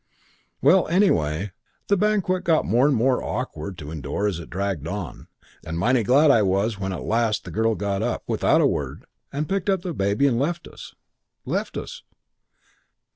"Well, anyway, the banquet got more and more awkward to endure as it dragged on, and mighty glad I was when at last the girl got up without a word and picked up the baby and left us. Left us.